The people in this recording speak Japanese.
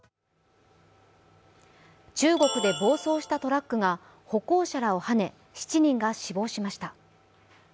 中国で暴走したトラックが歩行者らをはね７人が死亡しました。